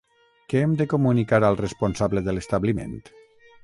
Què hem de comunicar al responsable de l'establiment?